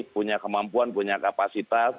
punya kemampuan punya kapasitas